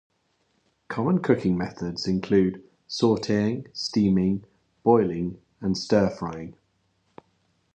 Common cooking methods include sauteeing, steaming, boiling, and stir frying.